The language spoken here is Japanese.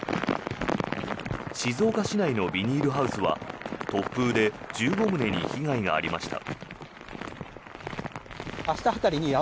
静岡市内のビニールハウスは突風で１５棟に被害がありました。